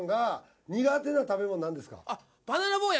あっバナナ坊や